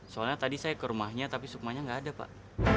soalnya tadi saya ke rumahnya tapi sukmanya nggak ada pak